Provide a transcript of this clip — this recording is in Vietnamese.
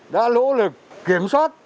đã lỗ lực kiểm soát